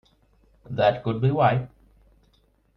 That could be why.